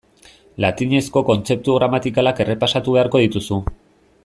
Latinezko kontzeptu gramatikalak errepasatu beharko dituzu.